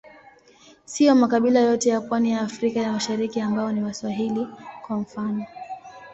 Siyo makabila yote ya pwani ya Afrika ya Mashariki ambao ni Waswahili, kwa mfano.